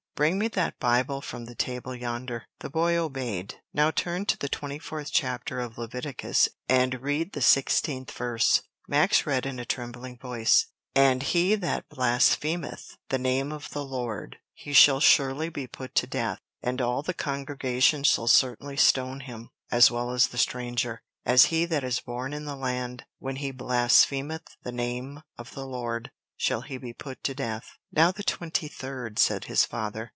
Bring me that Bible from the table yonder." The boy obeyed. "Now turn to the twenty fourth chapter of Leviticus, and read the sixteenth verse." Max read in a trembling voice, "'And he that blasphemeth the name of the Lord, he shall surely be put to death, and all the congregation shall certainly stone him; as well the stranger, as he that is born in the land, when he blasphemeth the name of the Lord, shall be put to death.'" "Now the twenty third," said his father.